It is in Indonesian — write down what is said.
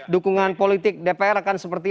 dukungan politik dpr akan seperti